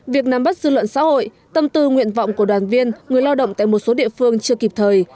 việc nắm bắt dư luận xã hội tâm tư nguyện vọng của đoàn viên người lao động tại một số địa phương chưa kịp thời